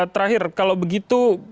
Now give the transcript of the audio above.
terakhir kalau begitu